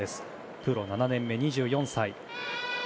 プロ７年目、２４歳。